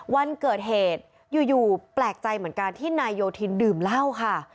วันเกิดเหตุอยู่แปลกใจเหมือนกันที่นายโยธินดื่มเหล้าค่ะ